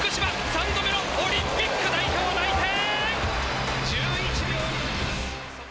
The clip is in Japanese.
３度目のオリンピック代表内定！